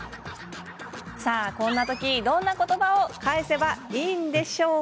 さあ、こんな時どんな言葉を返せばいいんでしょう？